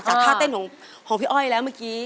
ท่าเต้นของพี่อ้อยแล้วเมื่อกี้